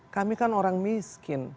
kami kan orang misi